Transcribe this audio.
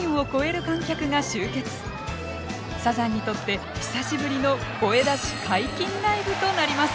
サザンにとって久しぶりの声出し解禁ライブとなります。